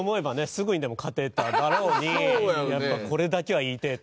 すぐにも勝てただろうにやっぱこれだけは言いてえと。